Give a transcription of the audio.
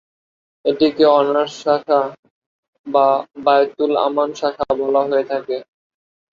এটিকে অনার্স শাখা বা বায়তুল-আমান শাখা বলা হয়ে থাকে।